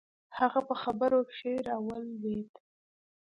هغه په خبرو کښې راولويد.